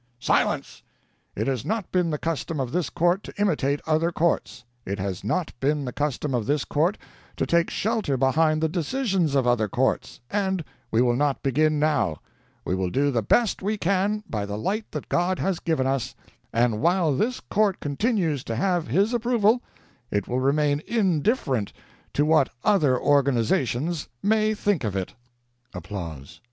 "Silence! It has not been the custom of this court to imitate other courts; it has not been the custom of this court to take shelter behind the decisions of other courts, and we will not begin now. We will do the best we can by the light that God has given us, and while this court continues to have His approval, it will remain indifferent to what other organizations may think of it."